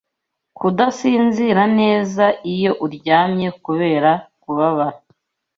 Kudasinzira neza iyo uryamye kubera kubabara